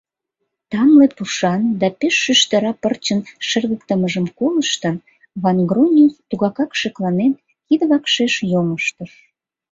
Тамле пушан да пеш шӱштыра пырчын шыргыктымыжым колыштын, Ван-Грониус тугакак шекланен, кидвакшеш йоҥыштыш.